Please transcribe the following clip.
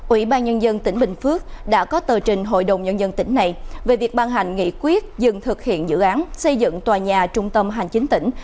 ủy ban nhân dân tỉnh bình phước đã có tờ trình hội đồng nhân dân tỉnh này về việc ban hành nghị quyết dừng thực hiện dự án xây dựng tòa nhà trung tâm hành chính tỉnh